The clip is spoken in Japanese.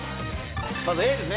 まずＡですね。